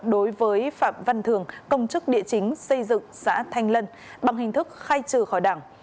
đối với phạm văn thường công chức địa chính xây dựng xã thanh lân bằng hình thức khai trừ khỏi đảng